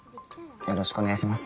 よろしくお願いします。